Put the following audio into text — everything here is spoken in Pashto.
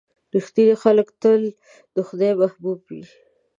• رښتیني خلک تل د خدای محبوب وي.